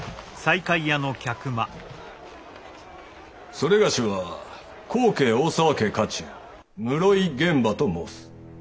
某は高家大沢家家中室井玄蕃と申す。